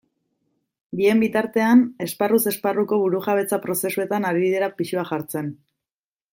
Bien bitartean, esparruz esparruko burujabetza prozesuetan ari dira pisua jartzen.